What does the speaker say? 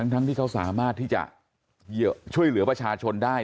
ที่เขาสามารถที่จะช่วยเหลือประชาชนได้